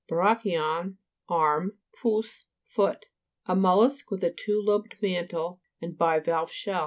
brachion, arm, pous, foot. A mollusk with a two lobed mantle and bivalve shell.